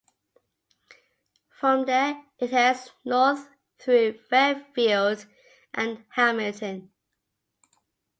From there, it heads north through Fairfield and Hamilton.